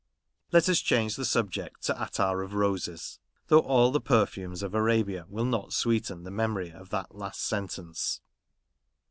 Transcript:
Let us change the subject to attar of roses ; though all the perfumes of Arabia will not sweeten the memory of that last sentence.